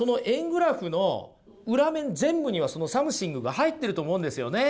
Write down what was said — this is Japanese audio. グラフの裏面全部にはそのサムシングが入ってると思うんですよね。